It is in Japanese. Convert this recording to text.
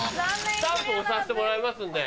スタンプ押させてもらいますんで。